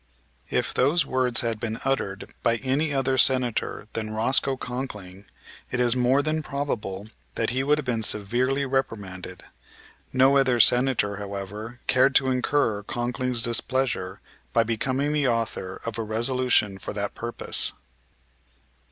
If those words had been uttered by any other Senator than Roscoe Conkling it is more than probable that he would have been severely reprimanded; no other Senator, however, cared to incur Conkling's displeasure by becoming the author of a resolution for that purpose.